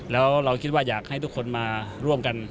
แล้วเราคิดว่าอยากให้ทุกคนมาร่วมกัน